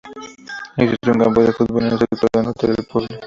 Existe un campo de fútbol en el sector norte del pueblo.